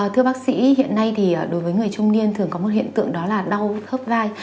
thưa bác sĩ hiện nay thì đối với người trung niên thường có một hiện tượng đó là đau khớp vai